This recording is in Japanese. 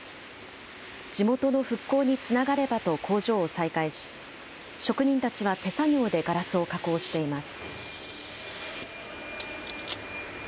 地元の復興につながればと工場を再開し、職人たちは手作業でガラスを加工しています。